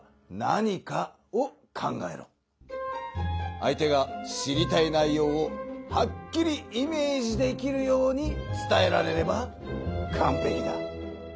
相手が知りたい内ようをはっきりイメージできるように伝えられればかんぺきだ。